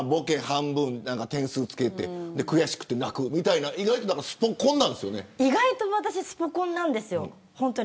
半分、点数付けて悔しくて泣くみたいな意外と私、スポ根なんですよ。